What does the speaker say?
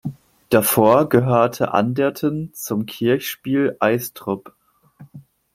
Davor gehörte Anderten zum Kirchspiel Eystrup.